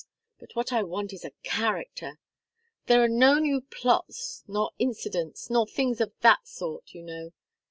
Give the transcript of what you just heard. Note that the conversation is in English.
But what I want is a character. There are no new plots, nor incidents, nor things of that sort, you know.